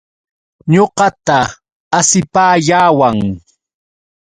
Ñuqata asipayawan.